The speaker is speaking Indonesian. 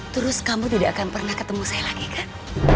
terus kamu tidak akan pernah ketemu saya lagi kan